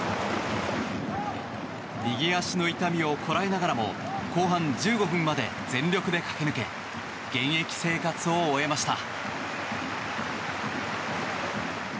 右足の痛みをこらえながらも後半１５分まで全力で駆け抜け現役生活を終えました。